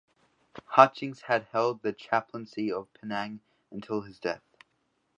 Hutchings had held the chaplaincy of Penang until his death.